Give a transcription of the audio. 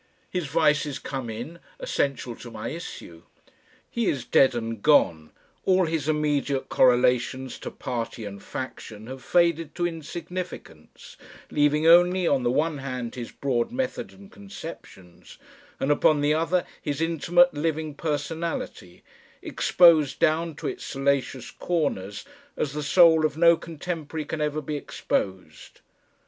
His vices come in, essential to my issue. He is dead and gone, all his immediate correlations to party and faction have faded to insignificance, leaving only on the one hand his broad method and conceptions, and upon the other his intimate living personality, exposed down to its salacious corners as the soul of no contemporary can ever be exposed.